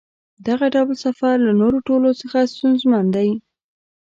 دغه ډول سفر له نورو ټولو څخه ستونزمن دی.